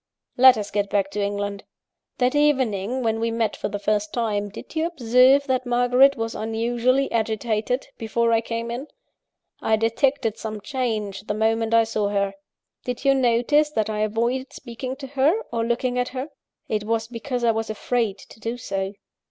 "Let us get back to England. "That evening, when we met for the first time, did you observe that Margaret was unusually agitated before I came in? I detected some change, the moment I saw her. Did you notice that I avoided speaking to her, or looking at her? it was because I was afraid to do so.